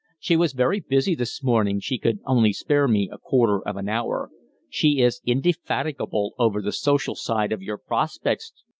She was very busy this morning she could only spare me a quarter of an hour. She is indefatigable over the social side of your prospects.